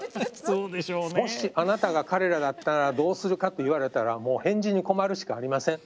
もしあなたが彼らだったらどうするかと言われたらもう返事に困るしかありません。